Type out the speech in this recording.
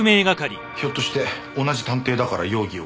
ひょっとして同じ探偵だから容疑をかけられたとか？